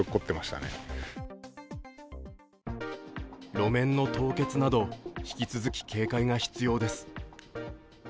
路面の凍結など引き続き警戒が必要です。